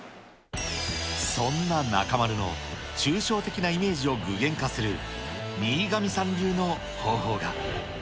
そんな中丸の抽象的なイメージを具現化する新上さん流の方法が。